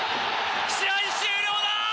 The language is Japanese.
試合終了だ！